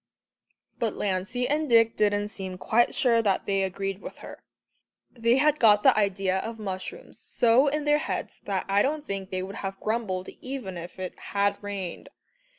But Lancey and Dick didn't seem quite sure that they agreed with her. They had got the idea of mushrooms so in their heads that I don't think they would have grumbled even if it had rained.